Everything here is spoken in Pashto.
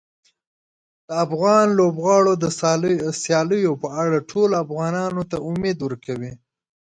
د افغان لوبغاړو د سیالیو په اړه ټولو افغانانو ته امید ورکوي.